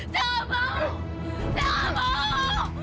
jangan mau jangan mau jangan mau